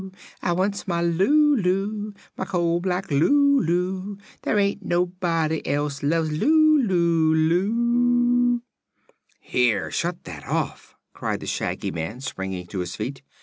Ah loves mah Lulu, mah coal black Lulu, There ain't nobody else loves loo loo, Lu!" "Here shut that off!" cried the Shaggy Man, springing to his feet.